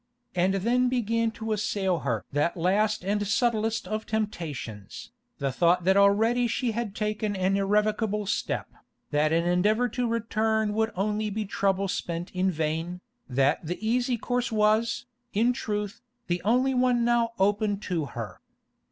And then began to assail her that last and subtlest of temptations, the thought that already she had taken an irrevocable step, that an endeavour to return would only be trouble spent in vain, that the easy course was, in truth, the only one now open to her.